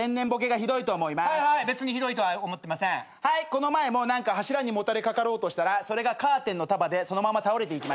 この前も柱にもたれかかろうとしたらそれがカーテンの束でそのまま倒れていきました。